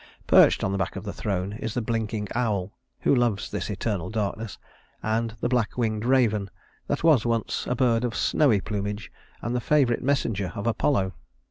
Perched on the back of the throne is the blinking owl, who loves this eternal darkness, and the black winged raven that was once a bird of snowy plumage and the favorite messenger of Apollo.